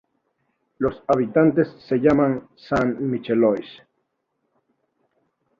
Los habitantes se llaman "Saint-Michelois".